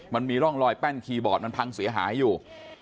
มันมีร่องรอยแป้นคีย์บอร์ดมันพังเสียหายอยู่